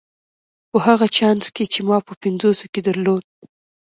په هغه چانس کې چې ما په پنځوسو کې درلود.